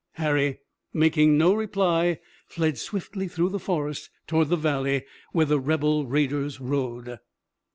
Harry, making no reply, fled swiftly through the forest toward the valley where the rebel raiders rode.